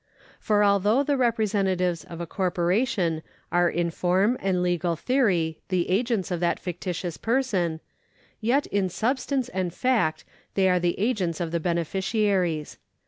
For although the representatives of a corporation are in form and legal theory the agents of that fictitious person, yet in substance and fact they are the agents of the beneficiaries.